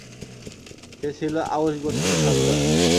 সে ছিল আউস গোত্রের সর্দার।